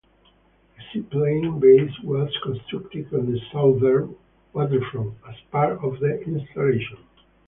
A seaplane base was constructed on the southern waterfront as part of the installation.